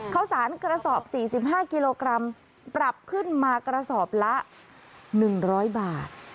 ข้าวสารกระสอบ๔๕กิโลกรัมปรับขึ้นมากระสอบละ๑๐๐บาท